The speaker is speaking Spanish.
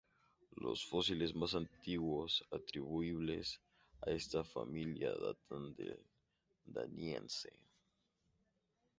Los fósiles más antiguos atribuibles a esta familia datan del Daniense.